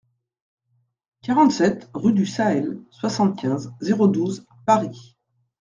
quarante-sept rue du Sahel, soixante-quinze, zéro douze, Paris